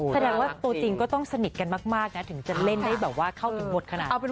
แสดงว่าตัวจริงก็ต้องสนิทกันมากนะถึงจะเล่นได้แบบว่าเข้าถึงหมดขนาดนี้